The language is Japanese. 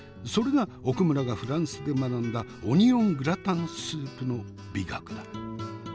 それが奥村がフランスで学んだオニオングラタンスープの美学だ。